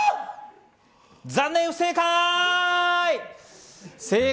残念、不正解！